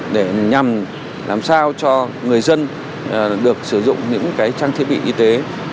để nhằm làm sao cho người dân được sử dụng những trang thiết bị y tế